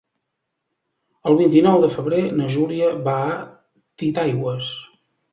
El vint-i-nou de febrer na Júlia va a Titaigües.